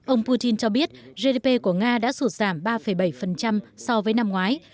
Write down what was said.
ông putin cho biết gdp của nga đã sụt giảm ba bảy so với năm ngoái